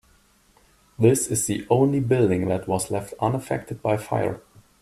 This is the only building that was left unaffected by fire.